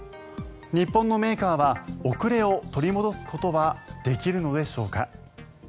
日本のメーカーは遅れを取り戻すことはできるのでしょうか。